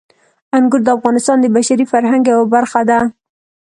انګور د افغانستان د بشري فرهنګ یوه برخه ده.